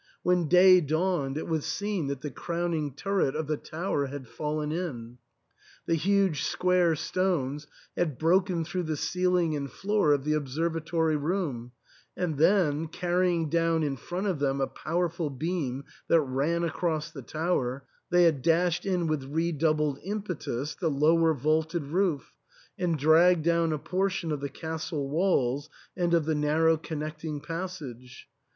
When day 276 THE ENTAIL. dawned it was seen that the crowning turret of the tower had fallen in. The huge square stones had broken through the ceiling and floor of the observatory room, and then, carrying down in front of them a pow erful beam that ran across the tower, they had dashed in with redoubled impetus the lower vaulted roof, and dragged down a portion of the castle walls and of the narrow connecting passage.